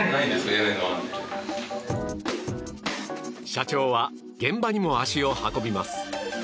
社長は現場にも足を運びます。